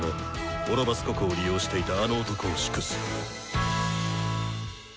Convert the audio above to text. オロバス・ココを利用していたあの男を粛す。